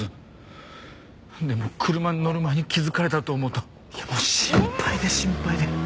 でも車に乗る前に気づかれたらと思うともう心配で心配で。